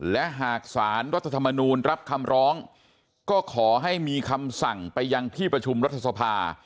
และหากสารรัฐธรรมนูลรับคำร้องก็ขอให้มีคำสั่งไปยังที่ประชุมรัฐสภา